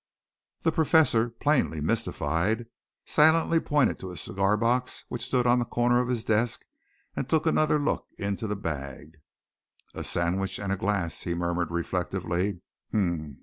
The Professor, plainly mystified, silently pointed to a cigar box which stood on a corner of his desk, and took another look into the bag. "A sandwich and a glass!" he murmured reflectively.